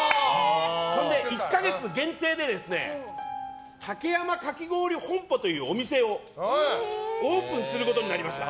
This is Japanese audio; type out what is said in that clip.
１か月限定で竹山かき氷本舗というお店をオープンすることになりました。